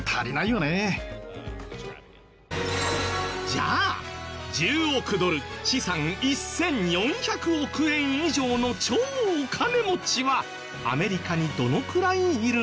じゃあ１０億ドル資産１４００億円以上の超お金持ちはアメリカにどのくらいいるの？